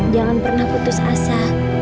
jangan pernah putus asa